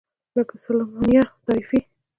لکه سالمونیلا ټایفي.